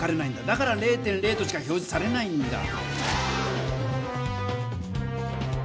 だから０．０としか表じされないんだ。